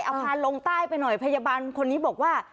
เอาพาลงใต้ไปหน่อยพยาบาลคนนี้บอกว่า